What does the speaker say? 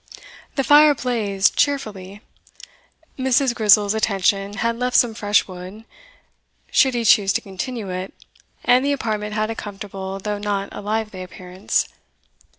The fire blazed cheerfully. Mrs. Grizel's attention had left some fresh wood, should he choose to continue it, and the apartment had a comfortable, though not a lively appearance.